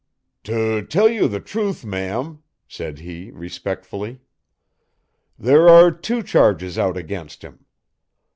"To tell you the truth, ma'am," said he respectfully, "there are two charges out against him.